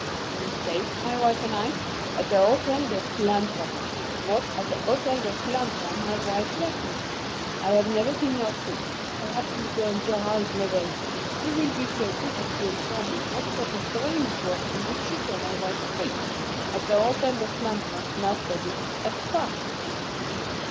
We stayed, my wife and I, at the Hôtel de Flandre. It was at the Hôtel de Flandre my wife left me. I have never seen her since. Perhaps, Mr. Gerald Lovell, you will be so good as to inform me what sort of dream it was in which you saw my wife's face, at the Hôtel de Flandre, last August, at Spa?"